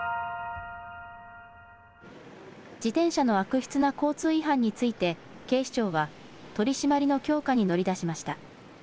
自転車の悪質な交通違反について、警視庁は、取締りの強化に乗り出しました。